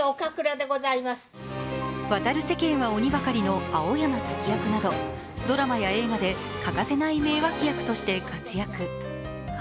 「渡る世間は鬼ばかり」の青山タキ役などドラマや映画で欠かせない名脇役として活躍。